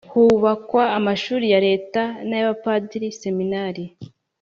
hubakwa amashuri ya leta n’ay’abapadiri(seminari).